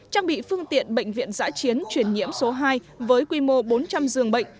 trang bị phương tiện bệnh viện giã chiến chuyển nhiễm số hai với quy mô bốn trăm linh giường bệnh